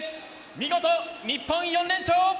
見事、日本４連勝。